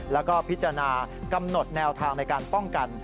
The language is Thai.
แล้วก็พิจารณากำหนดแนวทางในการป้องกัน